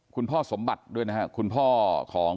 คุณพ่อสมบัติด้วยนะครับคุณพ่อของ